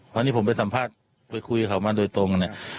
เพราะนี่ผมไปสัมภาษณ์ไปคุยกับเขามาโดยตรงเนี่ย